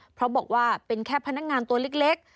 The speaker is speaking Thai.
เพราะบอกว่าเป็นแค่พนักงานตัวเล็ก